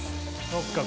そっか